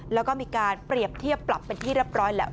แล้วก็มีการเปรียบเทียบปรับเป็นที่เรียบร้อยแล้ว